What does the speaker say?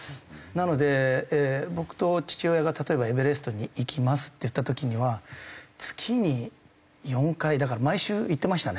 なので僕と父親が例えばエベレストに行きますっていった時には月に４回だから毎週行ってましたね。